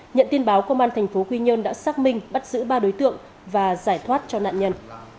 nhận tin báo công an thành phố quy nhơn đã xác minh bắt giữ ba đối tượng và giải thoát cho nạn nhân